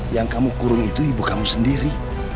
yang kamu kurung itu ibu kamu sendiri